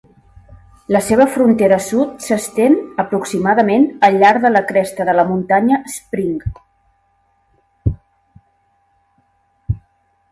La seva frontera sud s'estén, aproximadament, al llarg de la cresta de la Muntanya Spring.